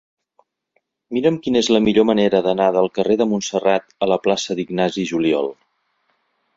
Mira'm quina és la millor manera d'anar del carrer de Montserrat a la plaça d'Ignasi Juliol.